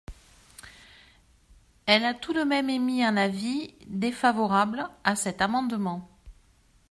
Elle a tout de même émis un avis – défavorable – à cet amendement.